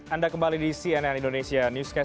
anda kembali di cnn indonesia newscast